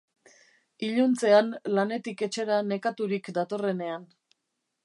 Iluntzean lanetik etxera nekaturik datorrenean.